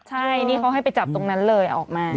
ใช่นี่เขาให้ไปจับตรงนั้นเลยเอาออกมา